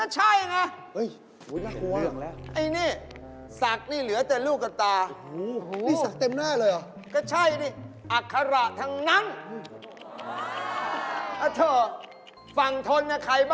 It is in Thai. ฉันไม่เท่าไรหรอก